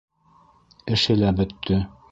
Эше лә бөттө.